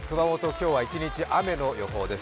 今日、一日、雨の模様です。